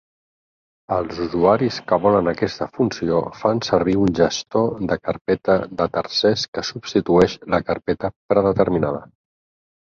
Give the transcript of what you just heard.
Els usuaris que volen aquesta funció fan servir un gestor de carpeta de tercers que substitueix la carpeta predeterminada.